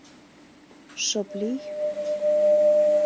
Шып лий...